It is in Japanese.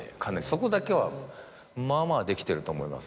そこだけはまぁまぁできてると思います。